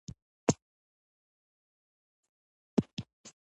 افغانستان د د افغانستان ولايتونه کوربه دی.